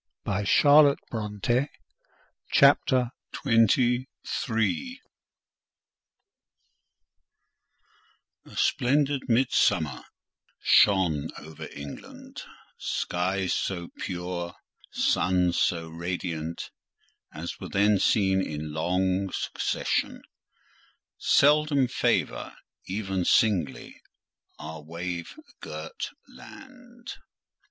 never had I loved him so well. CHAPTER XXIII A splendid Midsummer shone over England: skies so pure, suns so radiant as were then seen in long succession, seldom favour even singly, our wave girt land.